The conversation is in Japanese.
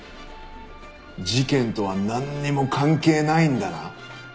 事件とはなんにも関係ないんだな？